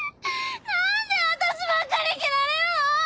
何であたしばっかり斬られるの！？